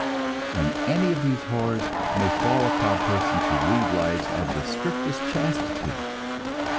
And any of these horrors may fall upon persons who lead lives of the strictest chastity.